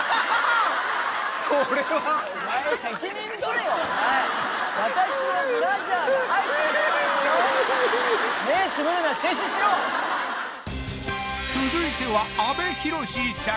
これは続いては阿部寛さん